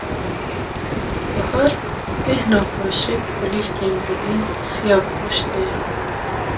Bihar; bi bêhna xweşik, kulîlkên bibîn, siya bihuştê ye.